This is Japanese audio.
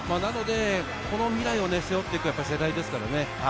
そこの未来を背負っていく世代ですからね。